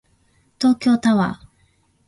東京タワー